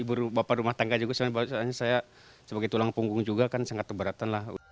ibu bapak rumah tangga juga soalnya saya sebagai tulang punggung juga kan sangat keberatan lah